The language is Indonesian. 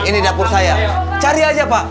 ini dapur saya cari aja pak